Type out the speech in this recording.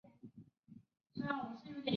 德国香肠是指原产于德国的香肠。